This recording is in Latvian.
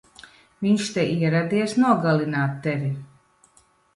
Viņš te ieradies nogalināt tevi!